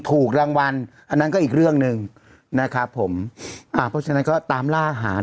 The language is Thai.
ถูกรางวัลอันนั้นก็อีกเรื่องหนึ่งนะครับผมอ่าเพราะฉะนั้นก็ตามล่าหา